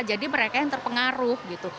jadi mereka yang terpengaruh